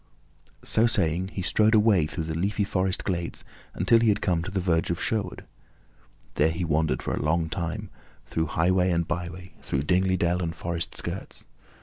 So saying, he strode away through the leafy forest glades until he had come to the verge of Sherwood. There he wandered for a long time, through highway and byway, through dingly dell and forest skirts.